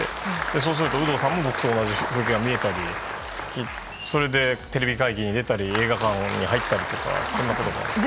そうすると、有働さんも僕と同じ風景が見えたりテレビ会議できたり映画館に入ったりとかそんなことができます。